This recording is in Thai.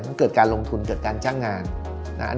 มันเกิดการลงทุนเตรียมการด้านสร้างงาน